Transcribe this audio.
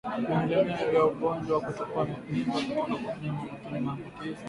Vimelea vya ugonjwa wa kutupa mimba kutoka kwa mnyama mwenye maambukizi